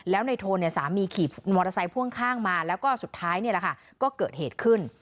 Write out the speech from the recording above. แล้วในโทนสามีขี่มอเตอร์ไซค์พ่วงข้างมาแล้วก็สุดท้ายก็เกิดเหตุขึ้น